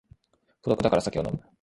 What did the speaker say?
孤独だから酒を飲む